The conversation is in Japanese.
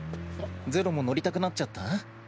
ゼロも乗りたくなっちゃった？